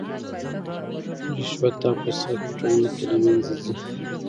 رشوت او فساد په ټولنه کې له منځه ځي.